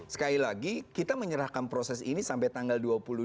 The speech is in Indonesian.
sekali lagi kita menyerahkan proses ini sampai tanggal dua puluh dua